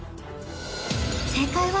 正解は・